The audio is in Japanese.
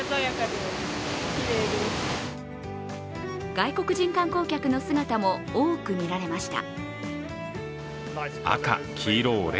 外国人観光客の姿も多く見られました。